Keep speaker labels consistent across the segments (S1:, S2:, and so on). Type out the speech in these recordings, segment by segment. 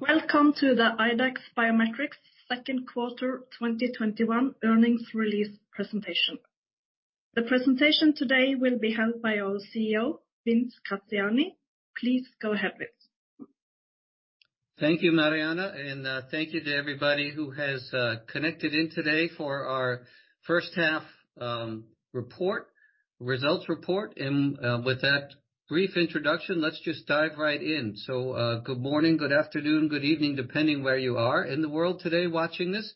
S1: Welcome to the IDEX Biometrics second quarter 2021 earnings release presentation. The presentation today will be held by our CEO, Vince Graziani. Please go ahead, Vince.
S2: Thank you, Marianne, and thank you to everybody who has connected in today for our first half results report. With that brief introduction, let's just dive right in. Good morning, good afternoon, good evening, depending where you are in the world today watching this.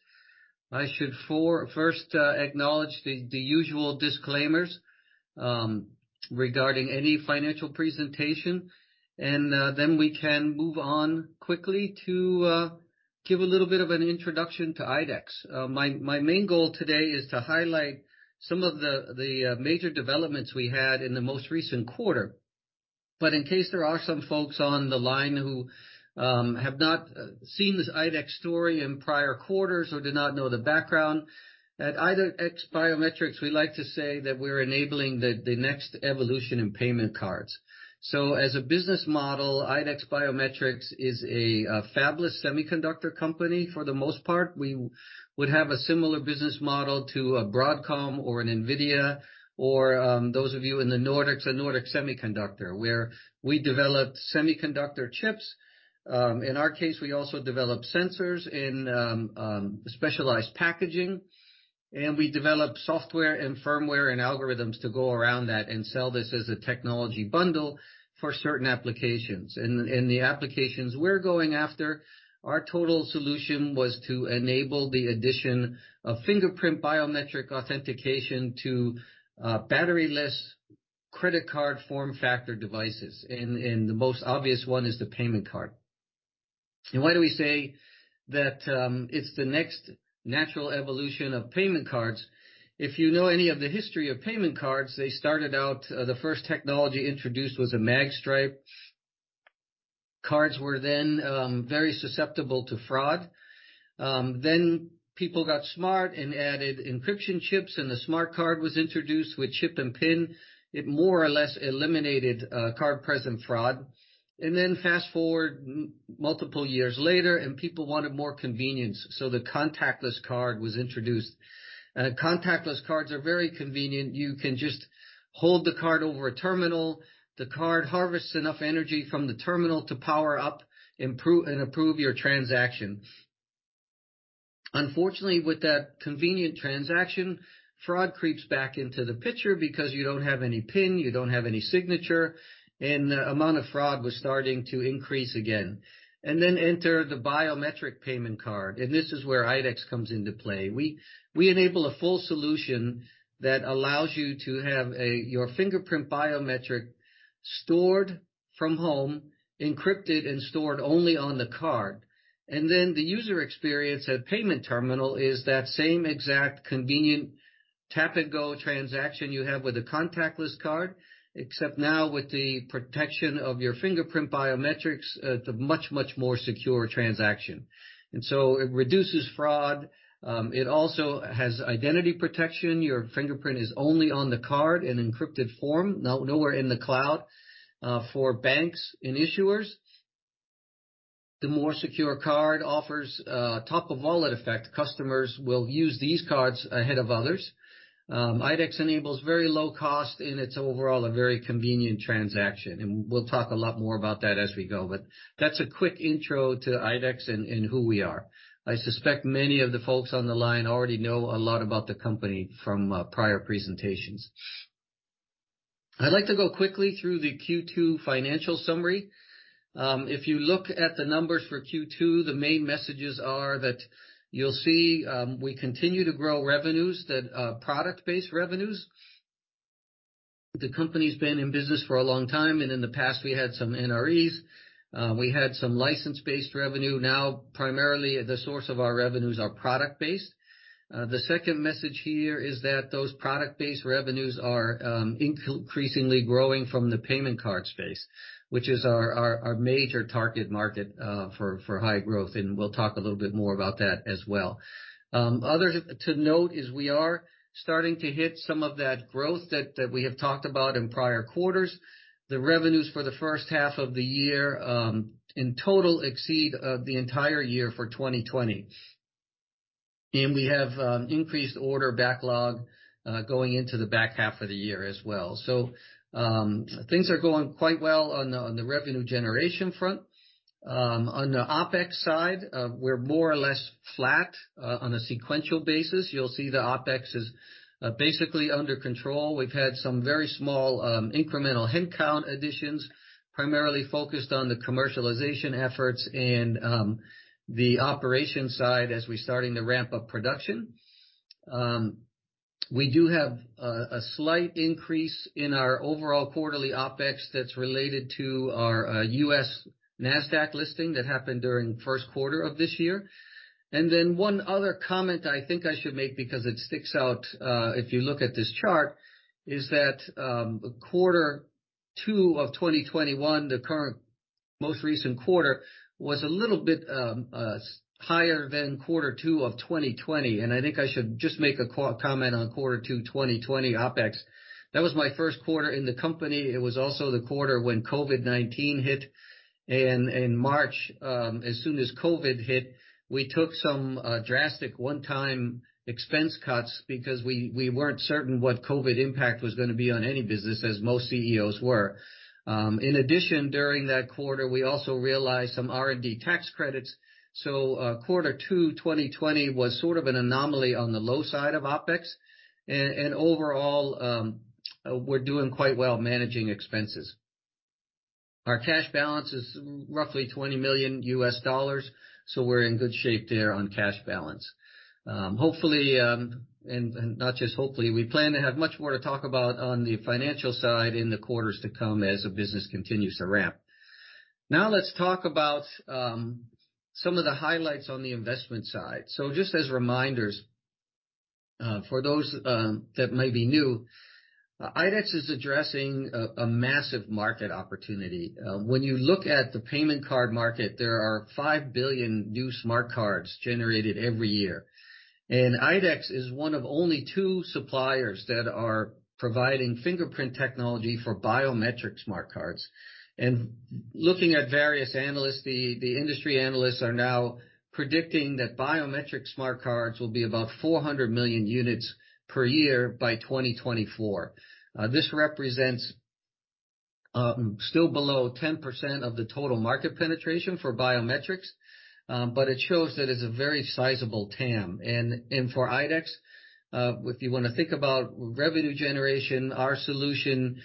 S2: I should first acknowledge the usual disclaimers regarding any financial presentation, and then we can move on quickly to give a little bit of an introduction to IDEX. My main goal today is to highlight some of the major developments we had in the most recent quarter. In case there are some folks on the line who have not seen this IDEX story in prior quarters or did not know the background, at IDEX Biometrics, we like to say that we're enabling the next evolution in payment cards. As a business model, IDEX Biometrics is a fabless semiconductor company, for the most part. We would have a similar business model to a Broadcom or an NVIDIA or, those of you in the Nordics, a Nordic Semiconductor, where we develop semiconductor chips. In our case, we also develop sensors in specialized packaging, and we develop software and firmware and algorithms to go around that and sell this as a technology bundle for certain applications. The applications we're going after, our total solution was to enable the addition of fingerprint biometric authentication to battery-less credit card form factor devices. The most obvious one is the payment card. Why do we say that it's the next natural evolution of payment cards? If you know any of the history of payment cards, they started out, the first technology introduced was a mag stripe. Cards were then very susceptible to fraud. People got smart and added encryption chips, and the smart card was introduced with chip and PIN. It more or less eliminated card-present fraud. Fast-forward multiple years later, and people wanted more convenience, so the contactless card was introduced. Contactless cards are very convenient. You can just hold the card over a terminal. The card harvests enough energy from the terminal to power up and approve your transaction. Unfortunately, with that convenient transaction, fraud creeps back into the picture because you don't have any PIN, you don't have any signature, and amount of fraud was starting to increase again. Enter the biometric payment card, and this is where IDEX comes into play. We enable a full solution that allows you to have your fingerprint biometric stored from home, encrypted and stored only on the card. Then the user experience at payment terminal is that same exact convenient tap-and-go transaction you have with a contactless card, except now with the protection of your fingerprint biometrics at a much, much more secure transaction. So it reduces fraud. It also has identity protection. Your fingerprint is only on the card in encrypted form, nowhere in the cloud. For banks and issuers, the more secure card offers a top-of-wallet effect. Customers will use these cards ahead of others. IDEX enables very low cost and it's overall a very convenient transaction, and we'll talk a lot more about that as we go. That's a quick intro to IDEX and who we are. I suspect many of the folks on the line already know a lot about the company from prior presentations. I'd like to go quickly through the Q2 financial summary. If you look at the numbers for Q2, the main messages are that you'll see we continue to grow revenues, product-based revenues. The company's been in business for a long time, and in the past we had some NREs. We had some license-based revenue. Now, primarily the source of our revenues are product-based. The second message here is that those product-based revenues are increasingly growing from the payment card space, which is our major target market, for high growth, and we'll talk a little bit more about that as well. Other to note is we are starting to hit some of that growth that we have talked about in prior quarters. The revenues for the first half of the year, in total, exceed the entire year for 2020. We have increased order backlog going into the back half of the year as well. Things are going quite well on the revenue generation front. On the OpEx side, we're more or less flat on a sequential basis. You'll see the OpEx is basically under control. We've had some very small, incremental headcount additions, primarily focused on the commercialization efforts and the operations side as we're starting to ramp up production. We do have a slight increase in our overall quarterly OpEx that's related to our U.S. NASDAQ listing that happened during first quarter of this year. One other comment I think I should make, because it sticks out, if you look at this chart, is that quarter two of 2021, the most recent quarter was a little bit higher than quarter two of 2020. I think I should just make a comment on quarter two 2020 OpEx. That was my first quarter in the company. It was also the quarter when COVID-19 hit in March. As soon as COVID hit, we took some drastic one-time expense cuts because we weren't certain what COVID impact was going to be on any business, as most CEOs were. In addition, during that quarter, we also realized some R&D tax credits. Q2 2020 was sort of an anomaly on the low side of OpEx. Overall, we're doing quite well managing expenses. Our cash balance is roughly $20 million, so we're in good shape there on cash balance. Hopefully, and not just hopefully, we plan to have much more to talk about on the financial side in the quarters to come as the business continues to ramp. Let's talk about some of the highlights on the investment side. Just as reminders for those that may be new, IDEX is addressing a massive market opportunity. When you look at the payment card market, there are 5 billion new smart cards generated every year. IDEX is one of only two suppliers that are providing fingerprint technology for biometric smart cards. Looking at various analysts, the industry analysts are now predicting that biometric smart cards will be about 400 million units per year by 2024. This represents still below 10% of the total market penetration for biometrics, but it shows that it's a very sizable TAM. For IDEX, if you want to think about revenue generation, our solution is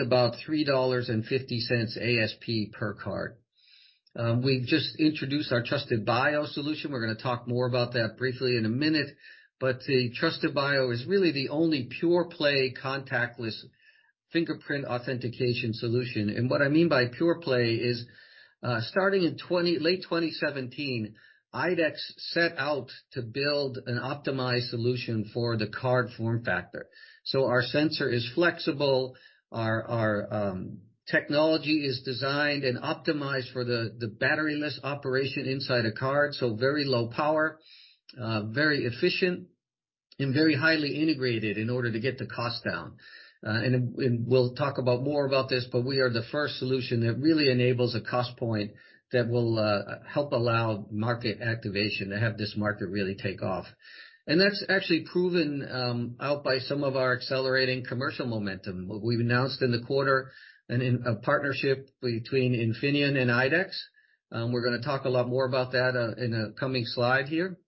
S2: about $3.50 ASP per card. We've just introduced our TrustedBio solution. We're going to talk more about that briefly in a minute, but the TrustedBio is really the only pure-play contactless fingerprint authentication solution. What I mean by pure play is, starting in late 2017, IDEX set out to build an optimized solution for the card form factor. Our sensor is flexible. Our technology is designed and optimized for the battery-less operation inside a card. Very low power, very efficient and very highly integrated in order to get the cost down. We'll talk about more about this, but we are the first solution that really enables a cost point that will help allow market activation to have this market really take off. That's actually proven out by some of our accelerating commercial momentum. We've announced in the quarter a partnership between Infineon and IDEX. We're going to talk a lot more about that in a coming slide here.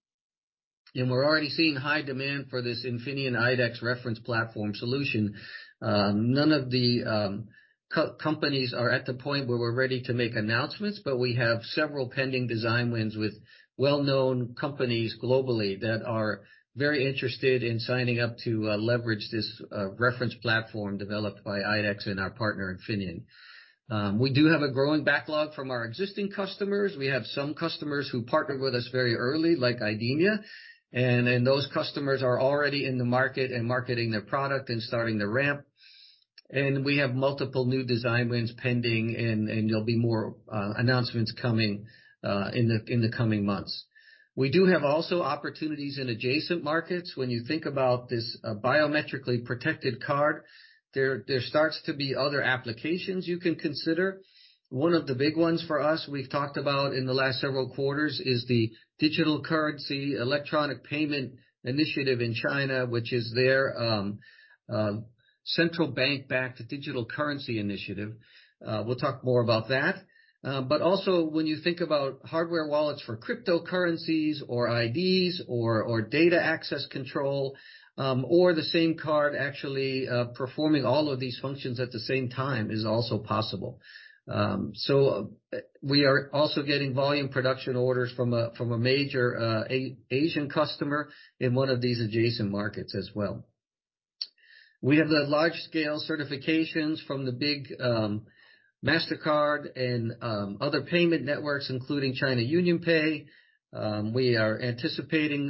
S2: We're already seeing high demand for this Infineon IDEX reference platform solution. None of the companies are at the point where we're ready to make announcements, but we have several pending design wins with well-known companies globally that are very interested in signing up to leverage this reference platform developed by IDEX and our partner, Infineon. We do have a growing backlog from our existing customers. We have some customers who partnered with us very early, like IDEMIA, and those customers are already in the market and marketing their product and starting to ramp. We have multiple new design wins pending, and there'll be more announcements coming in the coming months. We do have also opportunities in adjacent markets. When you think about this biometrically protected card, there starts to be other applications you can consider. One of the big ones for us, we've talked about in the last several quarters, is the Digital Currency Electronic Payment initiative in China, which is their central bank-backed digital currency initiative. We'll talk more about that. Also when you think about hardware wallets for cryptocurrencies or IDs or data access control, or the same card actually performing all of these functions at the same time is also possible. We are also getting volume production orders from a major Asian customer in one of these adjacent markets as well. We have the large-scale certifications from the big Mastercard and other payment networks, including China UnionPay. We are anticipating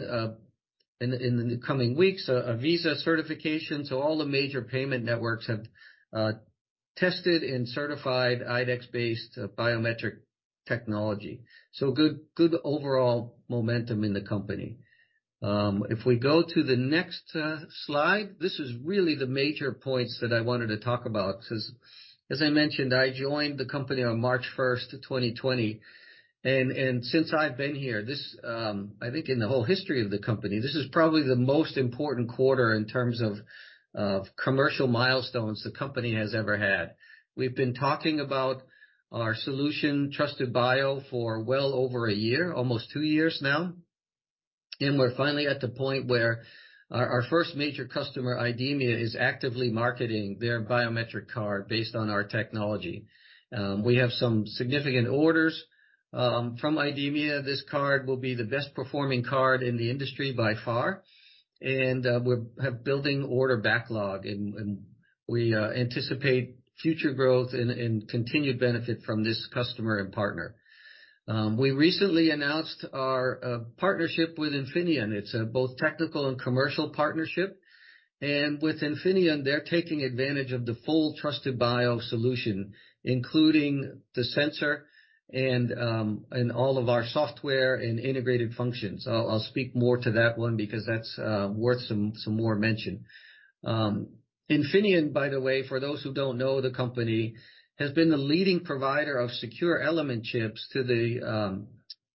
S2: in the coming weeks a Visa certification. All the major payment networks have tested and certified IDEX-based biometric technology. Good overall momentum in the company. If we go to the next slide, this is really the major points that I wanted to talk about, because as I mentioned, I joined the company on March 1st, 2020, and since I've been here, I think in the whole history of the company, this is probably the most important quarter in terms of commercial milestones the company has ever had. We've been talking about our solution, TrustedBio, for well over a year, almost two years now, and we're finally at the point where our first major customer, IDEMIA, is actively marketing their biometric card based on our technology. We have some significant orders from IDEMIA. This card will be the best performing card in the industry by far, and we have building order backlog, and we anticipate future growth and continued benefit from this customer and partner. We recently announced our partnership with Infineon. It's both technical and commercial partnership. With Infineon, they're taking advantage of the full TrustedBio solution, including the sensor and all of our software and integrated functions. I'll speak more to that one because that's worth some more mention. Infineon, by the way, for those who don't know the company, has been the leading provider of secure element chips to the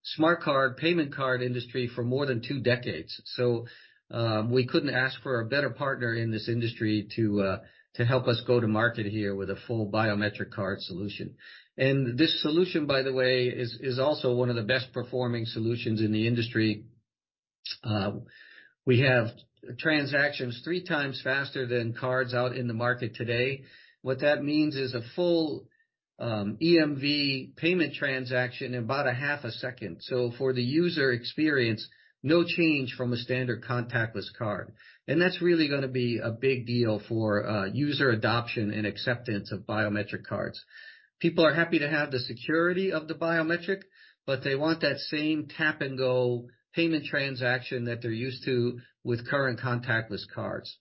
S2: smart card, payment card industry for more than two decades. We couldn't ask for a better partner in this industry to help us go to market here with a full biometric card solution. This solution, by the way, is also one of the best performing solutions in the industry. We have transactions three times faster than cards out in the market today. What that means is a full EMV payment transaction in about a half a second. For the user experience, no change from a standard contactless card. That's really going to be a big deal for user adoption and acceptance of biometric cards. People are happy to have the security of the biometric, but they want that same tap-and-go payment transaction that they're used to with current contactless cards.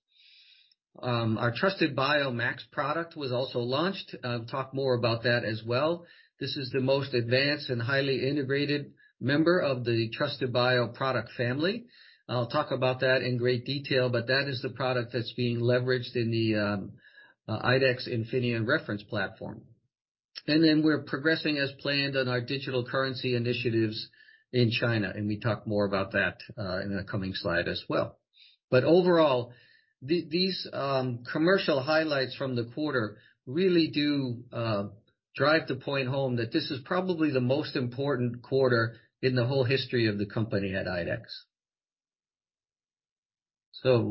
S2: Our TrustedBio Max product was also launched. I'll talk more about that as well. This is the most advanced and highly integrated member of the TrustedBio product family. I'll talk about that in great detail, but that is the product that's being leveraged in the IDEX Infineon reference platform. We're progressing as planned on our digital currency initiatives in China, and we talk more about that in a coming slide as well. Overall, these commercial highlights from the quarter really do drive the point home that this is probably the most important quarter in the whole history of the company at IDEX.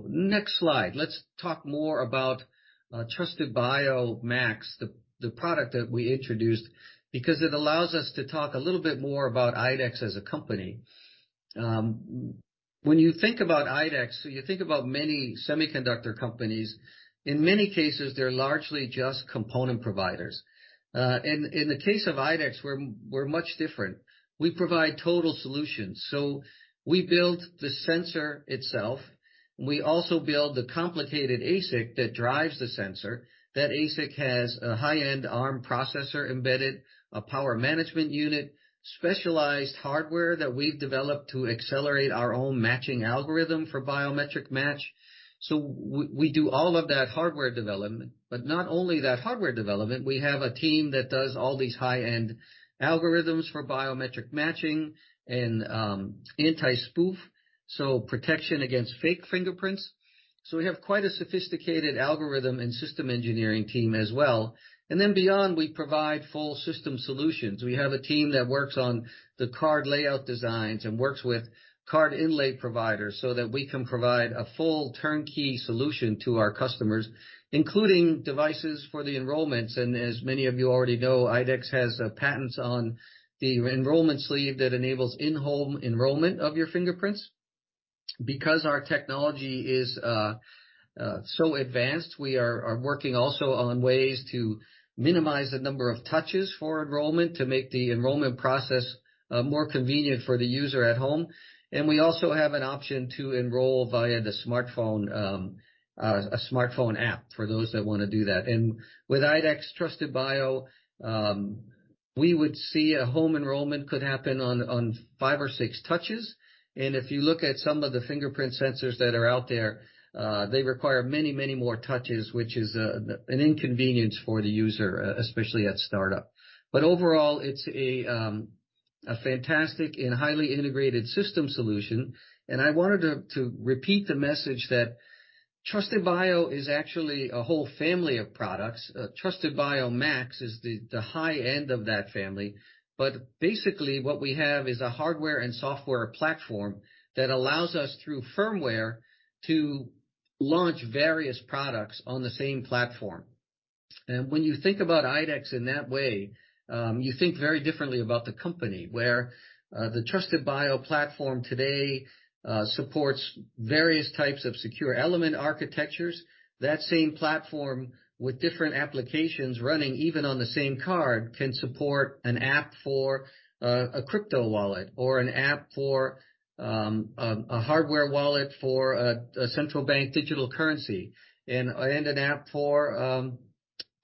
S2: Next slide. Let's talk more about TrustedBio Max, the product that we introduced, because it allows us to talk a little bit more about IDEX as a company. When you think about IDEX, you think about many semiconductor companies. In many cases, they're largely just component providers. In the case of IDEX, we're much different. We provide total solutions. We build the sensor itself. We also build the complicated ASIC that drives the sensor. That ASIC has a high-end ARM processor embedded, a power management unit, specialized hardware that we've developed to accelerate our own matching algorithm for biometric match. We do all of that hardware development. Not only that hardware development, we have a team that does all these high-end algorithms for biometric matching and anti-spoof, so protection against fake fingerprints. We have quite a sophisticated algorithm and system engineering team as well. Beyond, we provide full system solutions. We have a team that works on the card layout designs and works with card inlay providers so that we can provide a full turnkey solution to our customers, including devices for the enrollments. As many of you already know, IDEX has patents on the enrollment sleeve that enables in-home enrollment of your fingerprints. Our technology is so advanced, we are working also on ways to minimize the number of touches for enrollment to make the enrollment process more convenient for the user at home. We also have an option to enroll via the smartphone, a smartphone app for those that want to do that. With IDEX TrustedBio, we would see a home enrollment could happen on five or six touches. If you look at some of the fingerprint sensors that are out there, they require many more touches, which is an inconvenience for the user, especially at startup. Overall, it's a fantastic and highly integrated system solution. I wanted to repeat the message that TrustedBio is actually a whole family of products. TrustedBio Max is the high end of that family. Basically, what we have is a hardware and software platform that allows us through firmware to launch various products on the same platform. When you think about IDEX in that way, you think very differently about the company, where the TrustedBio platform today supports various types of secure element architectures. That same platform with different applications running even on the same card can support an app for a crypto wallet or an app for a hardware wallet for a central bank digital currency and an app for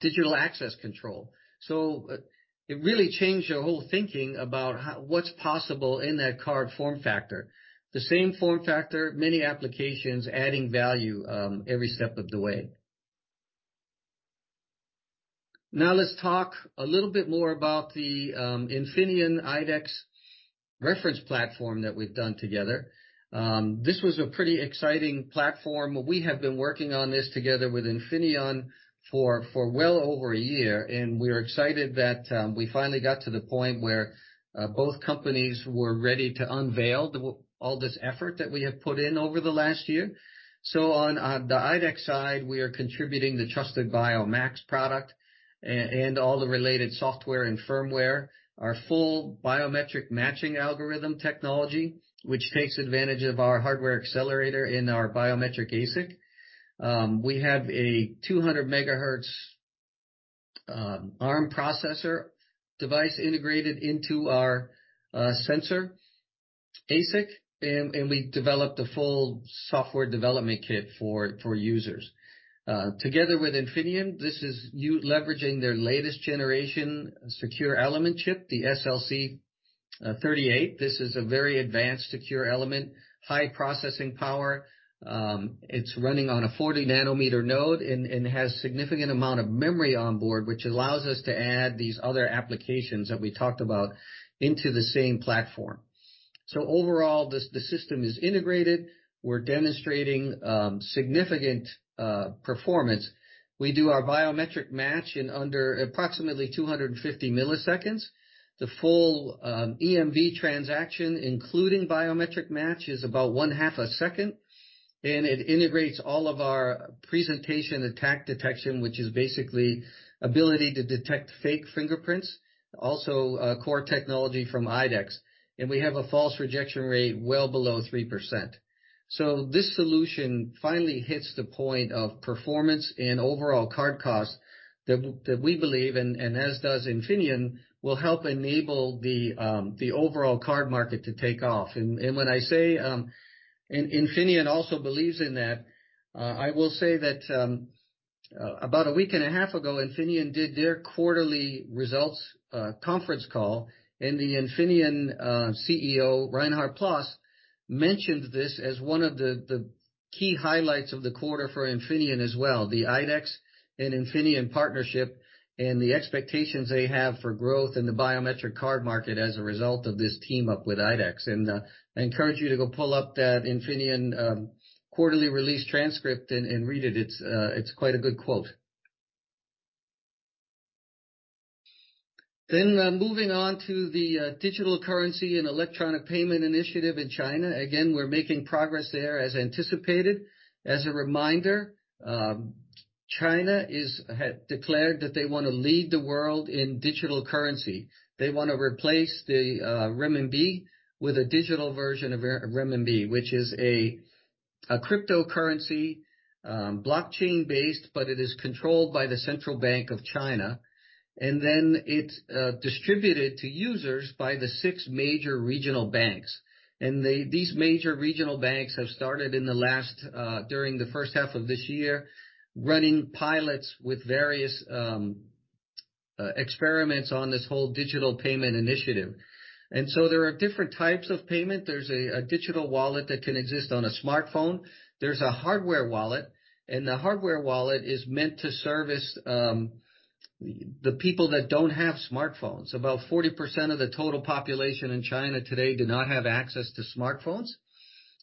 S2: digital access control. It really changed your whole thinking about what's possible in that card form factor. The same form factor, many applications adding value every step of the way. Let's talk a little bit more about the Infineon IDEX reference platform that we've done together. This was a pretty exciting platform. We have been working on this together with Infineon for well over a year, and we're excited that we finally got to the point where both companies were ready to unveil all this effort that we have put in over the last year. On the IDEX side, we are contributing the TrustedBio Max product and all the related software and firmware, our full biometric matching algorithm technology, which takes advantage of our hardware accelerator in our biometric ASIC. We have a 200 MHz ARM processor device integrated into our sensor ASIC, and we developed a full software development kit for users. Together with Infineon, this is leveraging their latest generation secure element chip, the SLC38. This is a very advanced secure element, high processing power. It's running on a 40 nm node and has significant amount of memory on board, which allows us to add these other applications that we talked about into the same platform. Overall, the system is integrated. We're demonstrating significant performance. We do our biometric match in under approximately 250 ms. The full EMV transaction, including biometric match, is about one-half a second, it integrates all of our presentation attack detection, which is basically ability to detect fake fingerprints, also a core technology from IDEX, we have a false rejection rate well below 3%. This solution finally hits the point of performance and overall card cost that we believe, and as does Infineon, will help enable the overall card market to take off. When I say Infineon also believes in that, I will say that about a week and a half ago, Infineon did their quarterly results conference call, the Infineon CEO Reinhard Ploss mentioned this as one of the key highlights of the quarter for Infineon as well, the IDEX and Infineon partnership and the expectations they have for growth in the biometric card market as a result of this team-up with IDEX. I encourage you to go pull up that Infineon quarterly release transcript and read it. It's quite a good quote. Moving on to the Digital Currency Electronic Payment initiative in China. We're making progress there as anticipated. As a reminder, China had declared that they want to lead the world in digital currency. They want to replace the renminbi with a digital version of renminbi, which is a cryptocurrency, blockchain-based, but it is controlled by the Central Bank of China. Then it's distributed to users by the six major regional banks. These major regional banks have started during the first half of this year, running pilots with various experiments on this whole digital payment initiative. So there are different types of payment. There's a digital wallet that can exist on a smartphone. There's a hardware wallet, and the hardware wallet is meant to service the people that don't have smartphones. About 40% of the total population in China today do not have access to smartphones.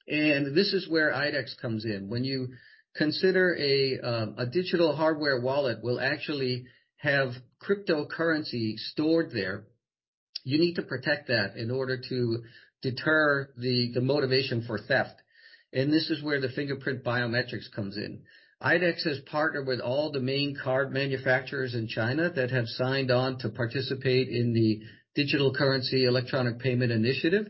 S2: This is where IDEX comes in. When you consider a digital hardware wallet will actually have cryptocurrency stored there, you need to protect that in order to deter the motivation for theft. This is where the fingerprint biometrics comes in. IDEX has partnered with all the main card manufacturers in China that have signed on to participate in the Digital Currency Electronic Payment initiative.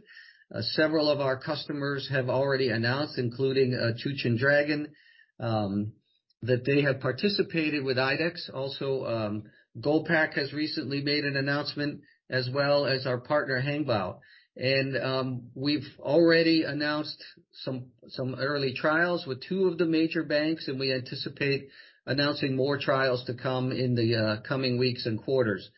S2: Several of our customers have already announced, including Chutian Dragon, that they have participated with IDEX. Also, Goldpac has recently made an announcement, as well as our partner Hengbao. We've already announced some early trials with two of the major banks, and we anticipate announcing more trials to come in the coming weeks and quarters.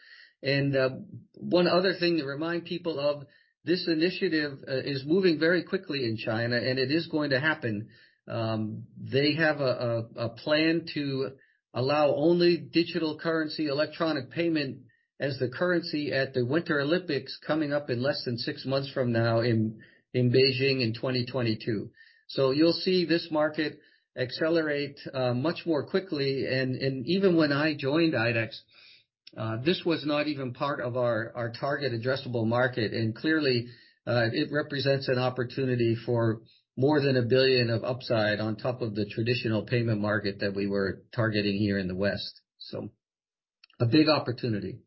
S2: One other thing to remind people of, this initiative is moving very quickly in China, and it is going to happen. They have a plan to allow only Digital Currency Electronic Payment as the currency at the Winter Olympics coming up in less than six months from now in Beijing in 2022. You'll see this market accelerate much more quickly. Even when I joined IDEX, this was not even part of our target addressable market. Clearly, it represents an opportunity for more than 1 billion of upside on top of the traditional payment market that we were targeting here in the West. A big opportunity.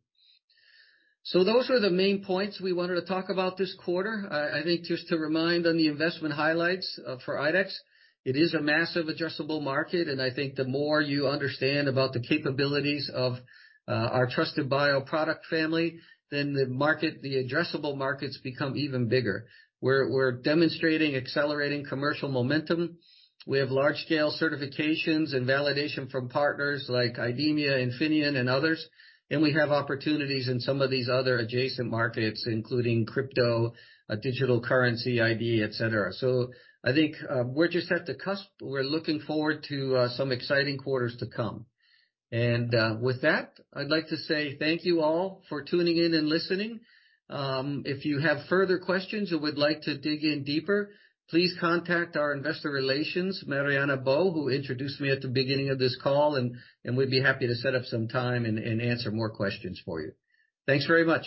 S2: Those were the main points we wanted to talk about this quarter. I think just to remind on the investment highlights for IDEX, it is a massive addressable market, and I think the more you understand about the capabilities of our TrustedBio product family, then the addressable markets become even bigger. We're demonstrating accelerating commercial momentum. We have large-scale certifications and validation from partners like IDEMIA, Infineon, and others. We have opportunities in some of these other adjacent markets, including crypto, digital currency ID, et cetera. I think we're just at the cusp. We're looking forward to some exciting quarters to come. With that, I'd like to say thank you all for tuning in and listening. If you have further questions or would like to dig in deeper, please contact our investor relations, Marianne Bøe, who introduced me at the beginning of this call, and we'd be happy to set up some time and answer more questions for you. Thanks very much.